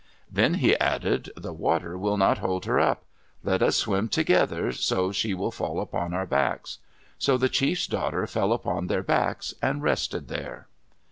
Then he added, "The water will not hold her up. Let us swim together so she will fall upon our backs." So the chief's daughter fell upon their backs, and rested there.